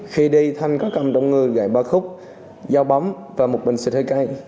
khi đi thanh có cầm đồng ngư gậy ba khúc dao bóng và một bình xịt hơi cay